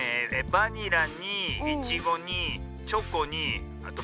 バニラにイチゴにチョコにバナナに。